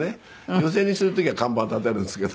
寄席にする時は看板立てるんですけど。